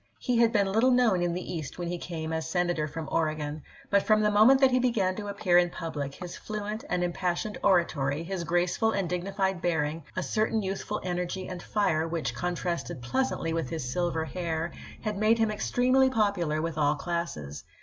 He had been little known in the East when he came as Senator from Oregon, but from the moment that he began to appear in public his fluent and impassioned ora tory, his graceful and dignified bearing, a certain youthful energy and fire which contrasted pleas antly with his silver haii*, had made him extremely popular with all classes.